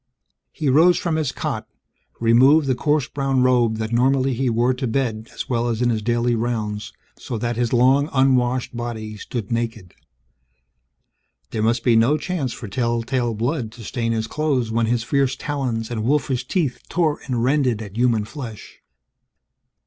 He rose from his cot, removed the coarse brown robe that normally he wore to bed as well as in his daily rounds so that his long unwashed body stood naked. There must be no chance for tell tale blood to stain his clothes, when his fierce talons and wolfish teeth tore and rended at human flesh.